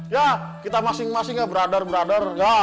ya kita masing masing ya brother brother